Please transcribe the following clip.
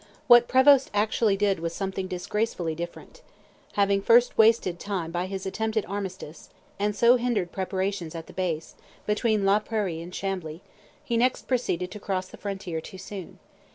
What Prevost actually did was something disgracefully different. Having first wasted time by his attempted armistice, and so hindered preparations at the base, between La Prairie and Chambly, he next proceeded to cross the frontier too soon.